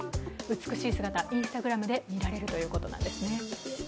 美しい姿、Ｉｎｓｔａｇｒａｍで見られるということなんですね。